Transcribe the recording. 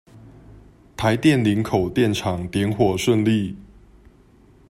台電林口電廠點火順利